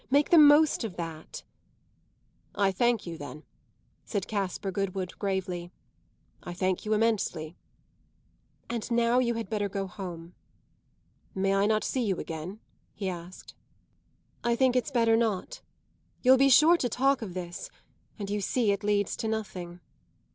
Make the most of that." "I thank you then," said Caspar Goodwood gravely. "I thank you immensely." "And now you had better go home." "May I not see you again?" he asked. "I think it's better not. You'll be sure to talk of this, and you see it leads to nothing."